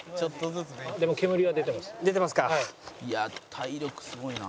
「体力すごいな」